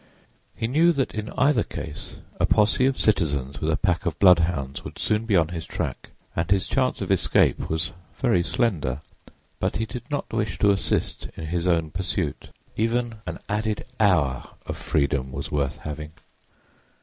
He knew that in either case a posse of citizens with a pack of bloodhounds would soon be on his track and his chance of escape was very slender; but he did not wish to assist in his own pursuit. Even an added hour of freedom was worth having.